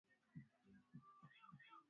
Ulihepa sistangu ukadai amechapa.